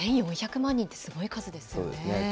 ２４００万人ってすごい数ですよね。